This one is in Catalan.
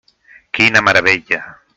Quina meravella!